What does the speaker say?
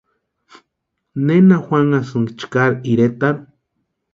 ¿Nena juanhasïnki chkari iretarhu?